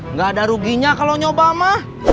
nggak ada ruginya kalau nyoba mah